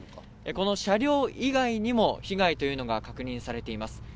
この車両以外にも被害というのが確認されています。